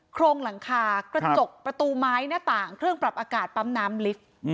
โครงหลังคากระจกประตูไม้หน้าต่างเครื่องปรับอากาศปั๊มน้ำลิฟต์